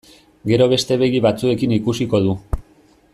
Gero beste begi batzuekin ikusiko du.